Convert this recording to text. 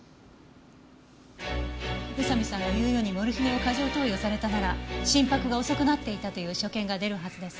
宇佐見さんが言うようにモルヒネを過剰投与されたなら心拍が遅くなっていたという所見が出るはずです。